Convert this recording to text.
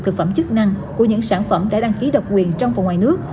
thực phẩm chức năng của những sản phẩm đã đăng ký độc quyền trong và ngoài nước